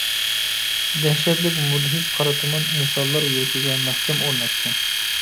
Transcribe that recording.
دەھشەتلىك مۇدھىش قارا تۇمان ئىنسانلار يۈرىكىگە مەھكەم ئورناشتى.